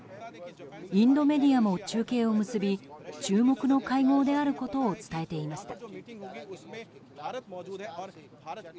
インドメディアも中継を結び注目の会合であることを伝えていました。